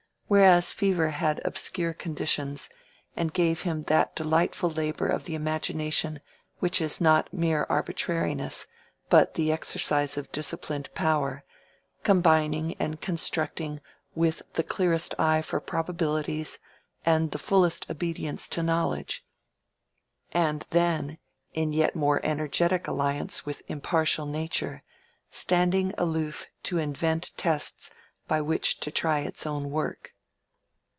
Whereas Fever had obscure conditions, and gave him that delightful labor of the imagination which is not mere arbitrariness, but the exercise of disciplined power—combining and constructing with the clearest eye for probabilities and the fullest obedience to knowledge; and then, in yet more energetic alliance with impartial Nature, standing aloof to invent tests by which to try its own work.